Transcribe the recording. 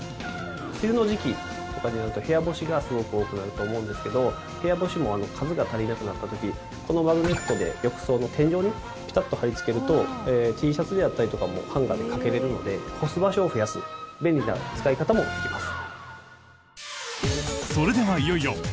梅雨の時期とかになると部屋干しがすごく多くなると思うんですけど部屋干しも数が足りなくなった時このマグネットで浴槽の天井にピタッと貼りつけるとＴシャツであったりとかもハンガーでかけられるので干す場所を増やす便利な使い方もできます。